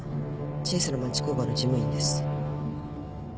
小さな町工場の事務員です。